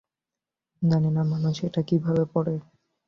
জানি না মানুষ এটা কিভাবে পরে।